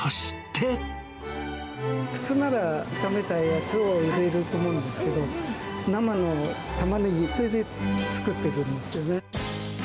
普通なら、炒めたやつを入れると思うんですけど、生のタマネギ、それで作ってるんですよね。